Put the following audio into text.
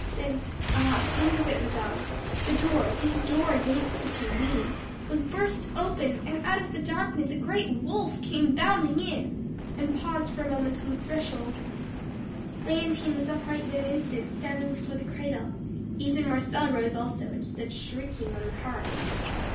Then ah! think of it, madame the door this door against which you lean was burst open, and out of the darkness a great wolf came bounding in, and paused for a minute on the threshold. "Léontine was upright in an instant, standing before the cradle. Even Marcelle rose also, and stood shrieking on the hearth.